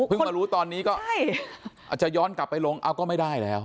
มารู้ตอนนี้ก็อาจจะย้อนกลับไปลงเอาก็ไม่ได้แล้ว